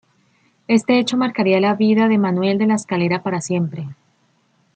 Este hecho marcaría la vida de Manuel de la Escalera para siempre.